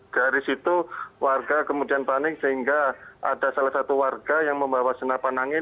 dari situ warga kemudian panik sehingga ada salah satu warga yang membawa senapan angin